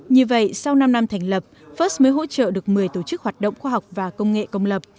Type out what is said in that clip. như vậy sau năm năm thành lập first mới hỗ trợ được một mươi tổ chức hoạt động khoa học và công nghệ công lập